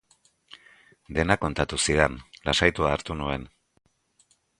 Dena kontatu zidan, lasaitua hartu nuen.